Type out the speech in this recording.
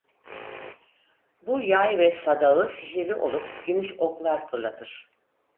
Bu yay ve sadağı sihirli olup gümüş oklar fırlatır.